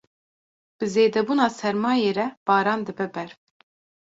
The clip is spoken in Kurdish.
Bi zêdebûna sermayê re, baran dibe berf.